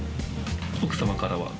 奥様からは？